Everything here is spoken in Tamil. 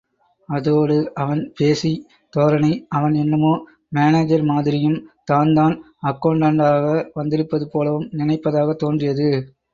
அதோடு, அவன் பேசிய் தோரணை, அவன் என்னமோ மானேஜர் மாதிரியும், தான்தான் அக்கெளண்டண்டாக வந்திருப்பது போலவும் நினைப்பதாகத் தோன்றியது.